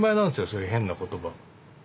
そういう変な言葉。